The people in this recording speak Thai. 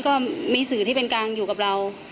ก็มีสื่อที่เป็นกลางอยู่กับเรา